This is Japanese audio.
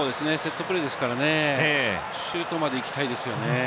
セットプレーですからね、シュートまで行きたいですよね。